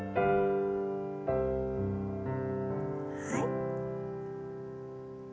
はい。